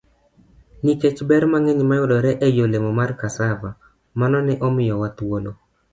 Nikech ber mang'eny mayudore ei olemo mar cassava, mano ne omiyowa thuolo